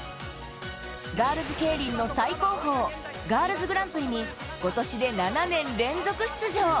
ガールズケイリンの最高峰、ガールズグランプリに今年で７年連続出場。